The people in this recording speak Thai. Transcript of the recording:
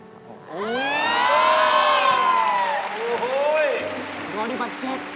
โอ้โฮนี่ปัจจักร